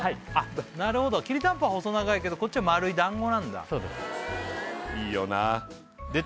なるほどきりたんぽは細長いけどこっちは丸いだんごなんだそうです